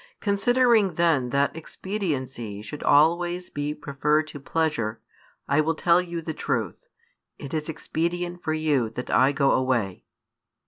Considering then that expediency should always be preferred to pleasure, I will tell you the truth: It is expedient for you that I go away.